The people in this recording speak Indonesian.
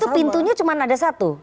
itu pintunya cuma ada satu